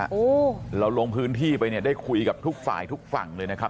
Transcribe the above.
โอ้โหเราลงพื้นที่ไปเนี่ยได้คุยกับทุกฝ่ายทุกฝั่งเลยนะครับ